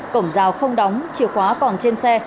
cổng rào không đóng chiều khóa còn trên xe